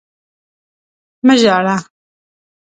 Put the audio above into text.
مه ژاړه!